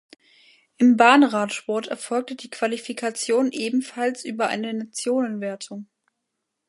Im Bahnradsport erfolgte die Qualifikation ebenfalls über eine Nationenwertung.